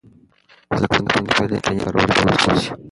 زده کوونکي باید د انټرنیټ په کارولو پوه سي.